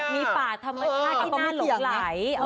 มีปากท้าที่น่าหลงไหล